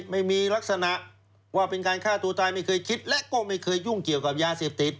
ไม่มีลักษณะว่าเป็นการฆ่าตัวตายไม่เคยคิดและก็ไม่เคยยุ่งเกี่ยวกับยาเสพติด